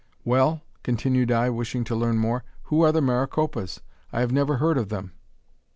"Well?" continued I, wishing to learn more. "Who are the Maricopas? I have never heard of them."